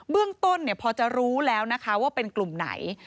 เรื่องต้นพอจะรู้แล้วนะคะว่าเป็นกลุ่มไหน